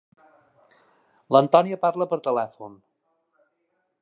L'Antónia parla per telèfon.